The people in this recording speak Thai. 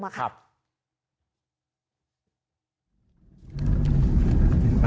นั่งลงไป